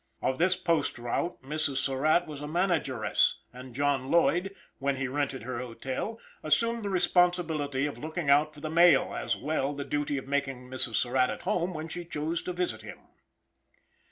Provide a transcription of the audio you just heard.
Of this poet route Mrs. Surratt was a manageress; and John Lloyd, when he rented her hotel, assumed the responsibility of looking out for the mail, as well the duty of making Mrs. Surratt at home when she chose to visit him.